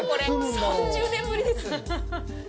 ３０年ぶりです。